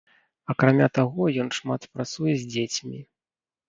Акрамя таго, ён шмат працуе з дзецьмі.